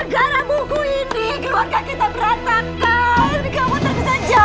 ini gara gara buku ini keluarga kita berantakan